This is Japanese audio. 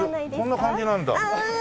こんな感じなんだ。